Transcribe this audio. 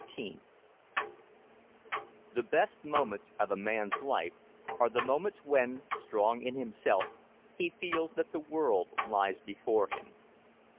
XIII The best moments of a man's life are the moments when, strong in himself, he feels that the world lies before him.